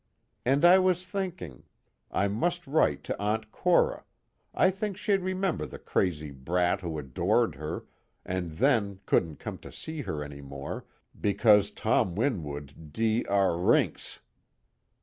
And I was thinking: I must write to Aunt Cora, I think she'd remember the crazy brat who adored her and then couldn't come to see her any more, because Tom Winwood d r rinks!